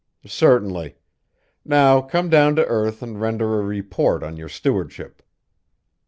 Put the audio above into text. "Certainly. Now come down to earth and render a report on your stewardship."